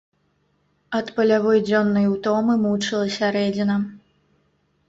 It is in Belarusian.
Ад палявой дзённай утомы мучыла сярэдзіна.